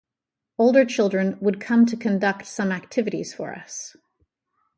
Older children would come to conduct some activities for us.